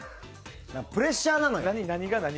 プレッシャーなのよ。